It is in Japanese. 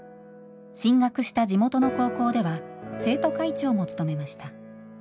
進学した地元の高校では生徒会長も務めました。